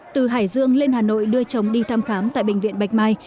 từ hải dương lên hà nội đưa chồng đi thăm khám tại bệnh viện bạch mai